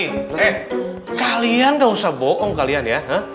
eh kalian gak usah bohong kalian ya